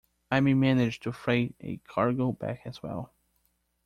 I may manage to freight a cargo back as well.